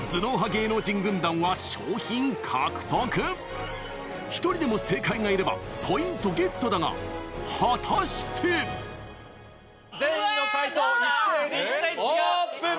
芸能人軍団は賞品獲得１人でも正解がいればポイントゲットだが果たして⁉全員の解答を一斉にオープン。